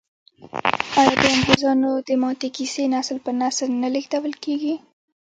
آیا د انګریزامو د ماتې کیسې نسل په نسل نه لیږدول کیږي؟